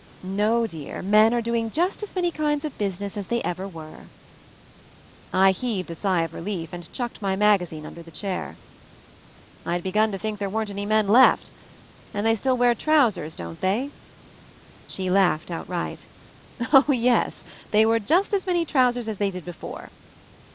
No dear, men are doing just as many kinds of business as they ever were." I heaved a sigh of relief and chucked my magazine under the chair. 26 MOVING THE MOUNTAIN "I'd begun to think there weren't any men left. And they still wear trousers, don't they?" She laughed outright. "Oh, yes. They wear just as many trous ers as they did before."